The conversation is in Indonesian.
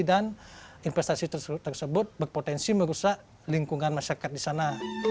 dan investasi tersebut berpotensi merusak lingkungan masyarakat di sana